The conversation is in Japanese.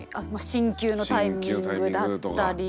進級のタイミングだったり。